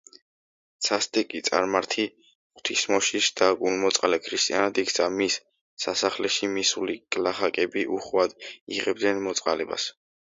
სასტიკი წარმართი ღვთისმოშიშ და გულმოწყალე ქრისტიანად იქცა, მის სასახლეში მისული გლახაკები უხვად იღებდნენ მოწყალებას.